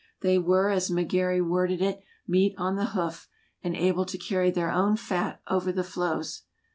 They were, as Mc Gary worded it, "meat on the hoof," and "able to carry their own fat over the floes."